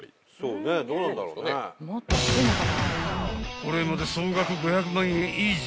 ［これまで総額５００万円以上］